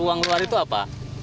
uang luar itu apa